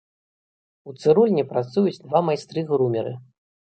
У цырульні працуюць два майстры-грумеры.